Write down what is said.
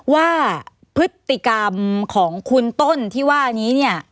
ว่าพฤติกรรมของคุณต้นที่ว่านี้เนี่ย